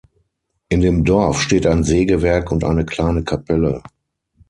In dem Dorf steht ein Sägewerk und eine kleine Kapelle.